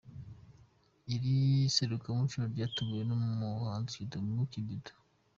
Iri serukiramuco ryateguwe n’umuhanzi Kidum Kibido.